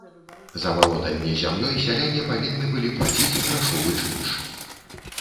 За валоданне зямлёй сяляне павінны былі плаціць грашовы чынш.